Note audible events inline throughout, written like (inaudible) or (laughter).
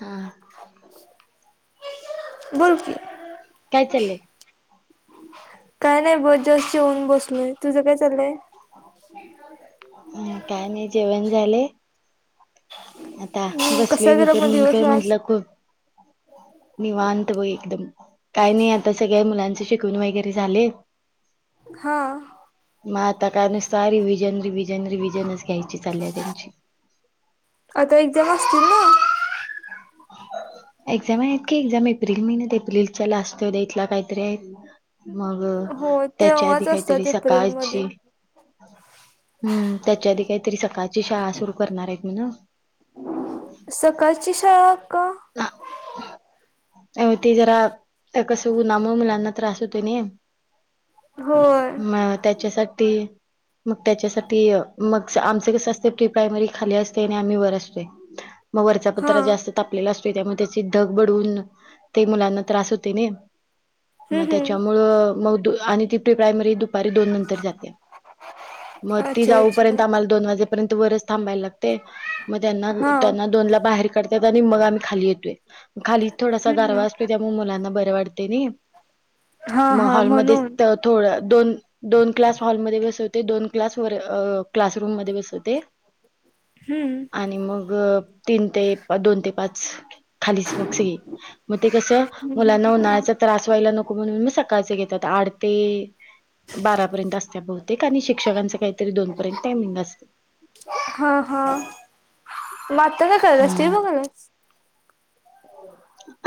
हा. बोलकी. काय चालय? काय नाय बग जस्ट जेवून बसलोय, तुझं काय चालय? ह काय नाय जेवण झाले. आता हम्म कसा बसलोय मी गेला पण मग म दिवस काय आज म्हटलं खूप निवांत बग एकदम. काय नाही आता सगळ्या मुलांचे शिकवून वगैरे झालेत. हां. म आता काय नुसता रिविजन रिविजन रिविजनच घ्यायची चालल्या त्यांची. आता एक्झाम असतील ना. (unintelligible) (inaudible) एक्झाम आहेत की एक्झाम एप्रिल महिन्यात एप्रिलच्या लास्ट डेटला काहीतरी आहेत. मग हो त्याच्या आधी तेव्हाच कायतरी असतात सकाळची एप्रिलमध्ये हम्म त्याच्या आधी काहीतरी सकाळची शाळा सुरू करणार आहेत म्हन. सकाळची शाळा का? हा. अहो ते जरा आता कस उन्हामुळे मुलांना त्रास होतो नाहीये. हो. म त्याच्यासाठी मग त्याच्यासाठी मग आमचं कसं असतय प्री प्रायमरी खाली असते आणि आम्ही वर असते. मग वरचा हा पत्रा जास्त तापलेला असतोय त्यामुळे त्याची दग बडवून ते मुलांना त्रास होतोय ने हम्म मग त्याच्या मुळ हम्म म दु आणि ती प्री प्रायमरी दु दुपारी दोन नंतर जात्या मग ती अच्छा अच्छा जाऊपर्यंत आम्हाला दोन वाजेपर्यंत वरच थांबायला लाग ते मग त्यांना हा त्यांना दोनला बाहेर काढतात आणि मग आम्ही खाली येतोय खा थोडासा हम्म गारवा हम्म असतोय त्यामुळ मुलांना बरे वाटतेनी हा मग हा हॉलमध्ये म्हणून त थोडं दोन दोन क्लास हॉलमध्ये बसवते दोन क्लास वर अ क्लासरूम मध्ये बसवते. (unintelligible) (inaudible) हम्म. आणि मग तीन ते दोन ते पाच खालीच मग सगळी. मग ते कसं मुलांना उन्हाळ्याचा त्रास व्हायला नको म्हणून म सकाळचे घेतात आठते बारापर्यंत असत्या बहुतेक आणि शिक्षकांचं काहीतरी दोन पर्यंत टायमिंग अस हा हा मग आता काय करायल्यास टी हम्म व्हि बघा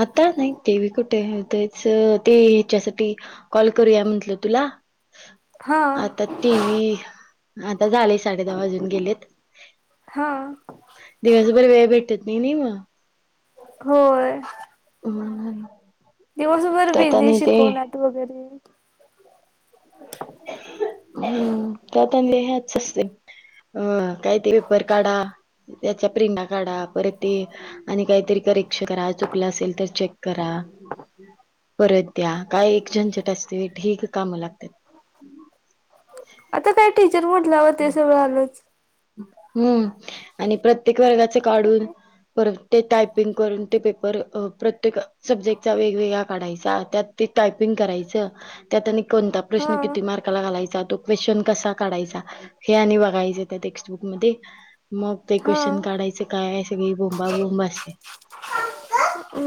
आता नाही टी वी कुठे तेच ते हीच्यासाठी कॉल करूया म्हटल तुला हा आता टी वी आता झाले साडे दहा वाजून गेलेत हा दिवसभर वेळ भेटत नाही नी मग होय. (unintelligible) दिवसभर त्यात बिझी आणि ते शिकवण्यात वगैरे. हम्म त्यात आणि लिहायचं असते. अ काय ते पेपर काढा त्याच्या प्रिंटा काढा परत ते आणि काहीतरी करिक्क्ष करा चुकलं असेल तर चेक करा. परत द्या काय एक झंझट असते वी ढीग काम लागत्यात. आता काय टीचर म्हटल्यावरतीस सगळं आलोच. हम्म, आणि प्रत्येक वर्गाचे काढून परत ते टायपिंग करून ते पेपर अ प्रत्येक सब्जेक्टचा वेगवेगळा काढायचा त्यात ते टायपिंग करायचं. त्यात आणिक कोणता हा प्रश्न किती मार्काला घालायचा, तो क्वेश्चन कसा काढायचा, हे आणि बघायचं. त्या टेक्स्टबुकमध्ये मग ते हा क्वेशचन काढायचं काय, सगळी बोंबा बोंब असे.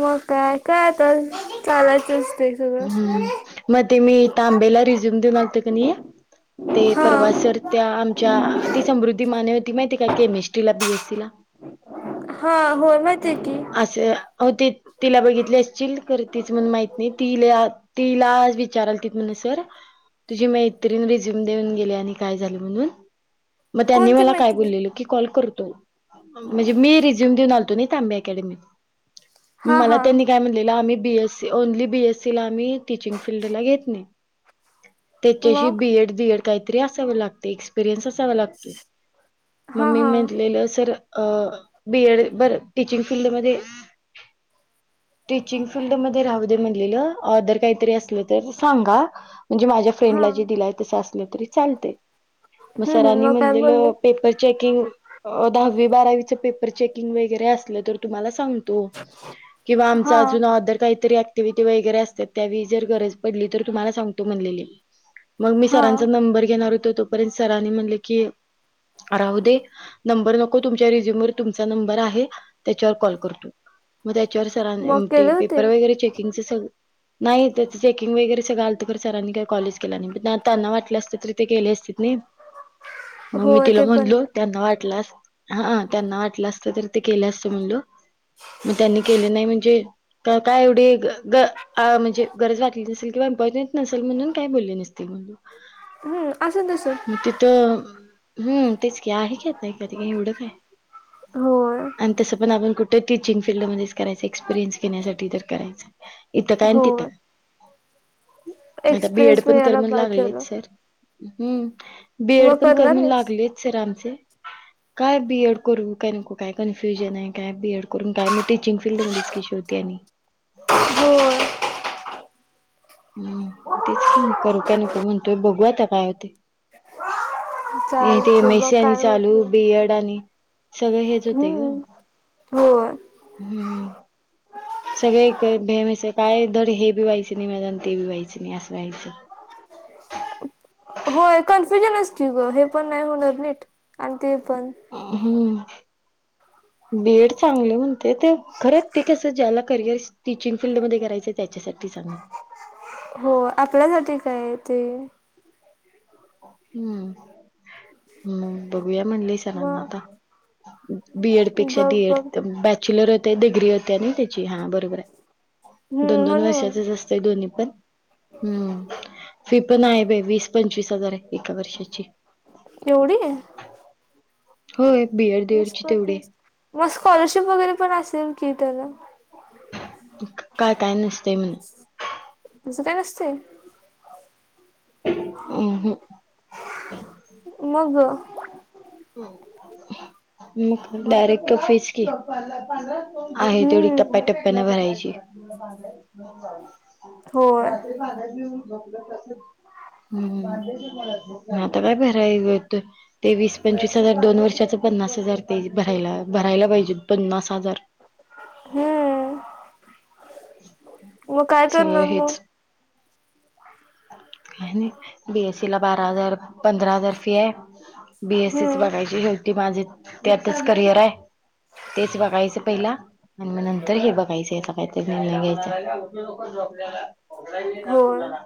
मग काय, काय तर चालायचस हम्म, मग ते मी तांबेला रिझ्यूम देऊन आलतो की नाही? ते हा परवा सर त्या आमच्या ती समृद्धी माने होती माहिती का, केमिस्ट्रीला बीएस सी ला. हा, होय, माहिती आहे की. असंया हो, ती तिला बघितली असचील, करतीच म्हण माहीत नाही. तिल्या तिला आज विचारालते म्हण सर तुझी मैत्रीण रिझ्यूम देऊन गेली आणि काय झालं म्हणून? मग त्यांनी कोणती मला काय मैत्रीण बोललेलं की, कॉल करतो. म्हणजे मी रिझ्युम देऊन आलतो नाही, तांब्या अकॅडमीत. हा मला हा त्यांनी काय म्हणलेलं, आम्ही बीएसी ओनली बीएस तिला मी टिचींग फिडला घेतली, त्याच्याशी मग बीएड डीएड काहीतरी असाव लागतंय, एक्सपिरय्स असावं लागतोय. मग हा मी हा म्हंतलेलं सर अ... बीएड बर टीचिंग फील्डमध्ये टीचिंग फील्डमध्ये राहुदे म्हणलेल ऑदर काहीतरी असलं तर सांगा, म्हणजे माझ्या हा फ्रेंडला जे दिलंय, तसं असलं तरी चालतंय. मग हम्म हम्म सरांनी काय म्हणलेल बोलले पेपर चेकिंग, दहावी बारावीच पेपर चेकिंग वगैरे असलं तर तुम्हाला सांग धो किंवा आमचं हा अजून ऑदर काहीतरी ऍक्टिव्हीटी वगैरे अस त्यावेळी जर गरज पडली तर तुम्हाला सांगतो म्हणलेले, मग मी हा सरांचा नंबर घेणार होतो तो परत सरांनी म्हणले की राहू दे. नंबर नको तुमच्या रिझ्युम वर तुमचा नंबर आहे, त्याच्यावर कॉल करतो. मग त्याच्यावर मग सरांनी ते केले होते पेपर वगैरे चेकिंगच सग नाही त्याचं चेकिंग वगैरे सगळं आलतं, पर सरांनी काही कॉलच केेला नाही, पण आत त्यांना वाटलं असतं तरी ते गेले असतीत नाही. मग हो मी तिला ते पण म्हणलो, त्यांना वाटलं अस हा, त्यांना वाटलं असतं तर ते केलं असतं म्हणलो मग त्यांनी केले नाही म्हणजे क काय एवढी ग ग अ... म्हणजे गरज वाटली नसेल किंवा इम्पॉर्टंट नसेल म्हणून काही बोलले नसतील, (unintelligible) हम्म, आसन तसं. मग तिथं हम्म तेच की, आहे की, आता एखादी काय, एवढं काय? होय. आणि तसं पण आपण कुठे टीचिंग फील्डमध्येच करायचं, एक्सपिरियन्स घेण्यासाठी तर करायचं, काय? इथं काय, न होय तिथं, आता बीएड एक्सपिरियन्स पण कर मिळायला म्हण बाद झालं लागलेच तर हम्म, मग बीएड पण कर करणार म्हण आहेस लागलेच सर आमचे. काय बीएड करून काय नको, काय कन्फ्युजन आहे काय बीएड करून काय मी टीचिंग फिल्ड मध्येच की शेवटी आणि. हो. हम्म, तेच की मग करू काय नको म्हणतोय, बघू आता काय होतंय? हे (unintelligible) चालते बघ एमएससी आणि काय चालू होते बीएड आणि सगळं हेच होतय ग हम्म होय हम्म, सगळे भेमेस काय धरी हे बी व्हायचं नाही माझ्यान ते बी व्हायचं नाही असं व्हायचं. होय कन्फ्युजन की, ग हे पण नाही होणार नीट आणि ते पण हा हा, बीएड चांगलं म्हणतेत, खरंच ते कस ज्याला करिअर. टीचिंग फिल्डमधे करायचं त्याच्यासाठी चांगलं. हो आपल्यासाठी काय ते. हम्म हम्म, बघूया म्हणलीस. सरांना मग आता बीएड पेक्षा बघ डीएड बघ बॅक. चिलर होते डिग्री होते आणि त्याची हा, बरोबर आहे दोन हम्म दोन म्हणून वर्षाचच असंत. दोन्ही पण हम्म, फी पण आहे वीस पंचवीस. हजार हाय एका वर्षाची. एवढीये! होय, बीएड. वीस डीएडची तेवढी पंचवीस, आहे. मग स्कॉलरशीप वगैरे पण असेल कि. त्याला? काय काय नसतंय म्हणं. तस काय नसतय. म्हण मग ग, मग डायरेक्ट फीज की, आहे तेवढी हम्म टप्प्याटप्प्यानें भरायची. होय रात्री पाण्यान झपलं तसंच. हम हम, आता काय भराय तेवीस. पंचवीस हजार दोन वर्षाच पन्नास हजार ते भरायला भरायला पाहिजे पन्नास हजार. हम्म, मग काय सगळं करणार मग. हेच काय नाही बीएससी ला बारा हजार पंधरा हजार फी आहे. बीएससीच हम्म बघायची शेवती माझ त्यातच करिअर आहे. तेच बघायचं पहिला. आणि मग नंतर हे बघायचं काहीत म घ्यायच. ऑलाईन येतात होय कुणाला.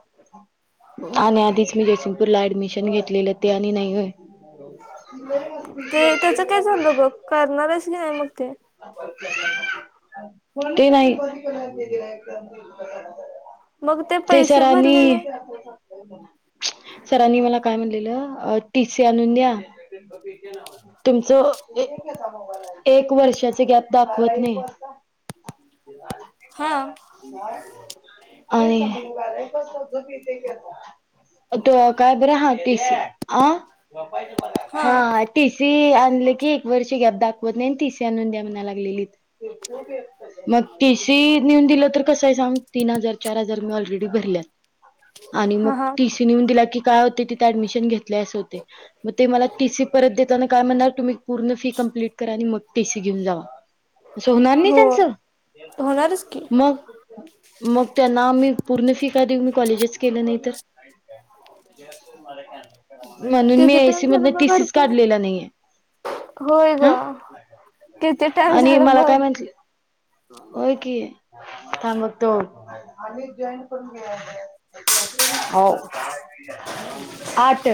आणि आधीच मी जयसिंगपूरला ऍडमिशन घेतलेलं ते आणि नाही हो. ते त्याच काय झालं बघ करणारच की नाही मग ते असतील (unintelligible) ते नाही. (unintelligible) मग ते पैसे भरलेले. (inaudible) सरांनी मला काय म्हणलेलं टी सी आणून द्या. तुमचं एक वर्षाच गॅप दाखवत नाही. ते (inaudible) हा, आणि. तो काय बरं हां टीसी. हा, ती सी आणलं की, एक वर्ष गॅप दाखवत नाही ती सी आणून द्या म्हणा लागलेली. मग टी सी नेऊन दिलं तर कसं आहे सांग तीन हजार चार हजार मी ऑलरेडी भरलेत. आणि मग हा हा टीसी नऊन दिला की, काय होते तिथे ऍडमिशन घेतलेच होते. म ते मला टीसी परत देताना काय म्हणाल, तुम्ही पूर्ण फ्री कम्प्लीट करा आणि मग टीसी घेऊन जावा. सोनाली हो त्याचं होणारच की (inaudible) मग मग त्याना मी पूर्ण फ्रें (unintelligible) देऊन मी कॉलेजच केलं नाही तर म्हणून मी किती एसी टाइम झाला मधन बघ टिसीच अर्तू काढलेला नाहीये. होय ग हा किती टाइम आणि झालं मला बघ काय म्हटलं हो की हा मग तो (inaudible) हो आट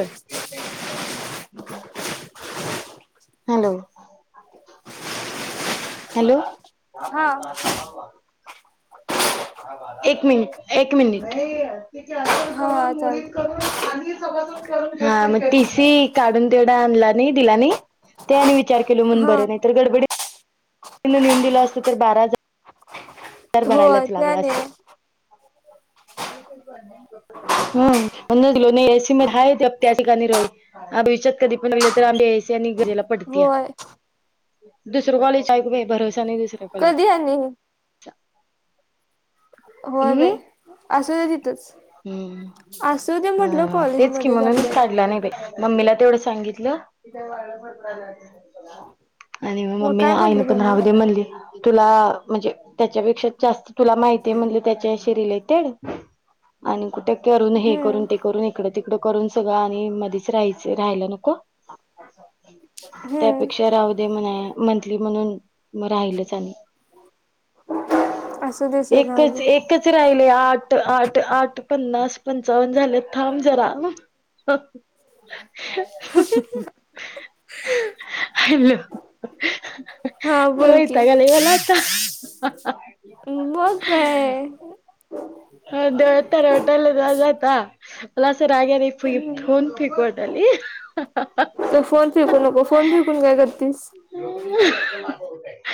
हॅलो- हॅलो. हा. एक मिनिट- एक मिनिट. ती कॅन्सल हा हा करून मोडीत चालत करून आणि स (inaudible) हा मग, टीसी काढून तेवढा आणला नाही दिला नाही. त्यानी विचार केल म्हणून हा बरं, नाही तर गड त्यांनी नेहुन दिलं अस तर बारा हजार तर होय भरायलाच लागला त्याने असत. (inaudible) हम्म, (unintelligible) किंमत हाय त्या ठिकाणी रवी भविष्यात आधी (unintelligible) पडतीया, होय दुसरं कॉलेज आहे भरोसा नाही दुसर कधी आणीन अच्छा. होय बे हम्म असू दे म्हटलं होय तेच कि कॉलेजमध्येच म्हणूनच आपल्या काढला नाय बे मम्मीला तेवढं सांगितलं (inaudible) आणि म मग मम्मी काय आईने म्हटली पण मम्मी राहुदे म्हणली, तुला म्हणजे त्याच्यापेक्षा जास्त तुला माहिती आहे म्हणली त्याच्याशी रिलेटेड आणि कुठे करून हे करून ते हम्म करून- हिकडं तिकडं करून सगळं आणि मध्येच राहायच राहायला नको. त्यापेक्षा हम्म राहुदे. म्हटली म्हणून राहिलचं आणि असू दे सोड राहू एकच एक एकच राहिले आठ -आठ -आठ पन्नास पंचावन्न झाले थांब जरा फ दे (inaudible) हॅलो (inaudible) हा (inaudible) बोल की वैताग आलाय मला आता. मग काय. डोळे (unintelligible) आता मला अस रागान (unintelligible) फेकू वाटली. (inaudible) तो फोन फेकू नको, फोन फिकून काय करतीस. (unintelligible)